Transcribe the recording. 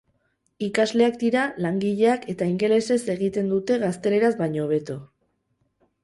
Ikasleak dira, langileak, eta ingelesez egiten dute gazteleraz baino hobeto.